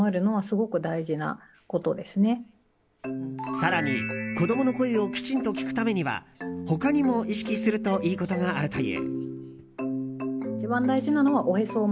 更に、子供の声をきちんと聞くためには他にも意識するといいことがあるという。